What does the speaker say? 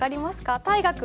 大河君。